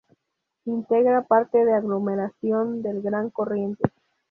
Integra parte de la aglomeración del Gran Corrientes.